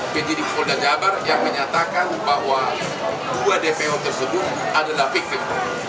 bgd kepolda jabar yang menyatakan bahwa dua dpo tersebut adalah fikir